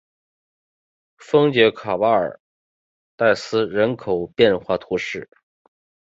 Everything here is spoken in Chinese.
丰捷卡巴尔代斯人口变化图示